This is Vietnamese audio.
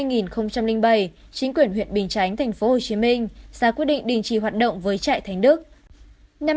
năm hai nghìn bảy chính quyền huyện bình chánh thành phố hồ chí minh ra quyết định đình chỉ hoạt động với trại thánh đức